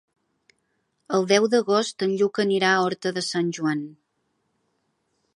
El deu d'agost en Lluc anirà a Horta de Sant Joan.